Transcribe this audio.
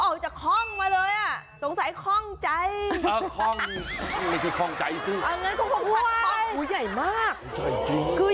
ออกจากคล่องมาเลยสงสัยคล่องใจคล่องใจอีกซึ่ง